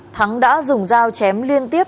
thắng đã dùng dao chém liên tiếp